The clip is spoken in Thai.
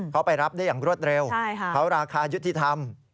เขาไปรับได้อย่างรวดเร็วเขาราคายุติธรรม